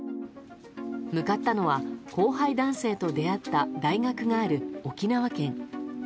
向かったのは後輩男性と出会った大学がある沖縄県。